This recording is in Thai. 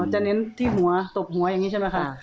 เน้นที่หัวตบหัวอย่างนี้ใช่ไหมคะ